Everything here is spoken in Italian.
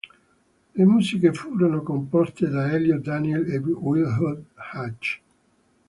Le musiche furono composte da Eliot Daniel e Wilbur Hatch.